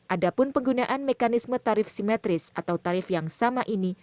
ada pun penggunaan mekanisme tarif simetris atau tarif yang sama ini